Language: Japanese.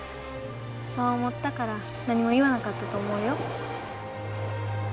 そう思ったから何も言わなかったと思うよ。